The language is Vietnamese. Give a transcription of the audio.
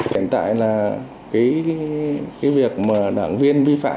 hiện tại là cái việc mà đảng viên vi phạm